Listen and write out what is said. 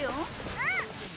うん！